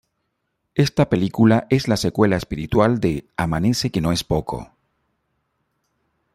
Esta película es la "secuela espiritual" de "Amanece que no es poco.